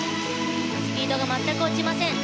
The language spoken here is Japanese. スピードが全く落ちません。